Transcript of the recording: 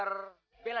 kenapa kamu mau belanja